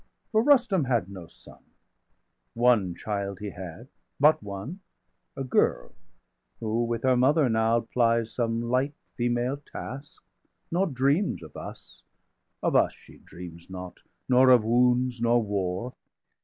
For Rustum had no son; one child he had 645 But one a girl; who with her mother now Plies some light female task, nor dreams of us Of us she dreams not, nor of wounds, nor war."